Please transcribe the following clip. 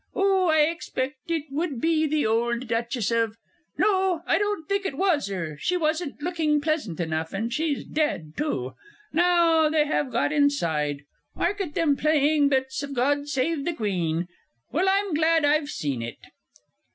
Oh, I expect it would be the old Duchess of No, I don't think it was 'er, she wasn't looking pleasant enough, and she's dead, too.... Now they have got inside 'ark at them playing bits of God Save the Queen. Well, I'm glad I've seen it.